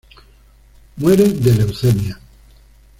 Muere de leucemia.